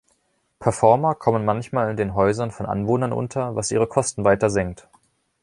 Performer kommen manchmal in den Häusern von Anwohnern unter, was ihre Kosten weiter senkt.